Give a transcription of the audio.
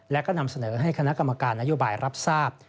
และก็นำเสนอให้คณะกรรมการนโยบายรับทราบ